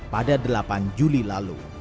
pada delapan juli lalu